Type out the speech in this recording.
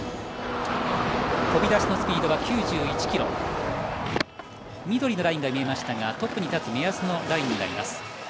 飛び出しのスピードが９１キロ緑のラインが見えましたがトップに立つ目安のラインになります。